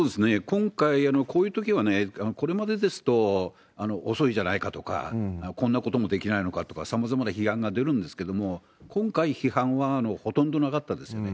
今回、こういうときはこれまでですと遅いじゃないかとか、こんなこともできないのかとか、さまざまな批判が出るんですけれども、今回、批判はほとんどなかったですよね。